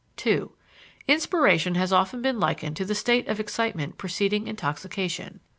2. Inspiration has often been likened to the state of excitement preceding intoxication.